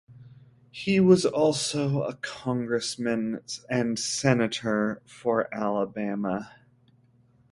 He was also a congressman and senator for Alabama.